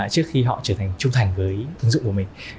trước khi họ trở thành trung thành với ứng dụng của mình